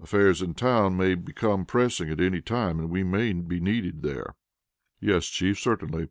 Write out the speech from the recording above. Affairs in town may become pressing at any time, and we may be needed there." "Yes, Chief, certainly.